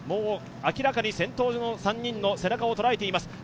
明らかに先頭の３人の背中を捉えています。